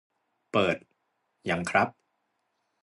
เปิด ยังครับ